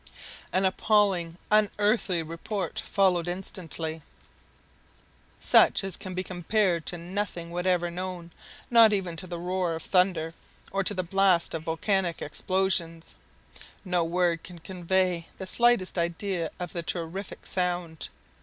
An appalling unearthly report followed instantly, such as can be compared to nothing whatever known, not even to the roar of thunder, or the blast of volcanic explosions! No words can convey the slightest idea of the terrific sound!